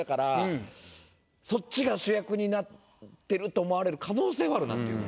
そっちが主役になってると思われる可能性はあるなっていう。